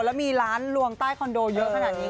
แล้วมีร้านลวงใต้คอนโดเยอะขนาดนี้